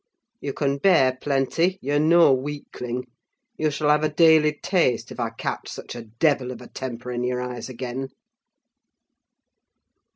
You can bear plenty; you're no weakling: you shall have a daily taste, if I catch such a devil of a temper in your eyes again!"